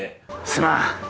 すまん。